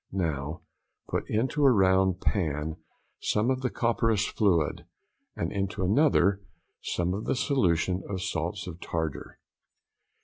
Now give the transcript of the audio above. Now put into a round pan some of the copperas fluid, and into another some of the solution of salts of tartar.